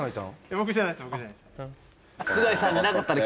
僕じゃないですねえ